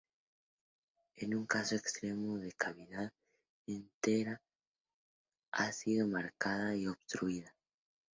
En un caso extremo, la cavidad entera ha sido marcada y obstruida.